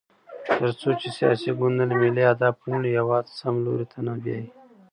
تر څو چې سیاسي ګوندونه ملي اهداف ونلري، هېواد سم لوري ته نه بیايي.